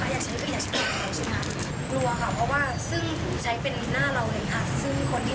แล้วถ้าเกิดการแพ้หรือว่าใช้แล้วมีปัญหาข้างหน้า